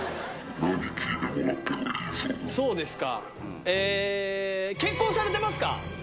そうですか。